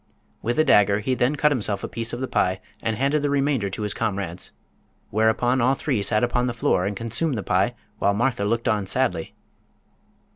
With a dagger he then cut himself a piece of the pie and handed the remainder to his comrades. Whereupon all three sat upon the floor and consumed the pie while Martha looked on sadly.